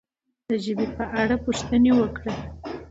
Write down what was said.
د ژبې په اړه پوښتنې وکړئ.